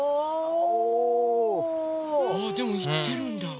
でもいってるんだ。